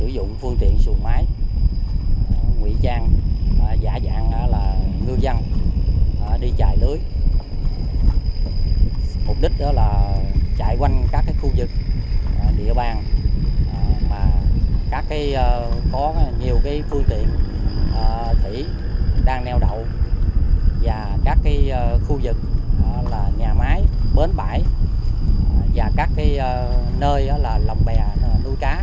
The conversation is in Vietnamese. dựng là nhà máy bến bãi và các nơi là lòng bè nuôi cá